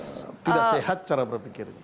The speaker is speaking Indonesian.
ini kan tidak sehat cara berpikir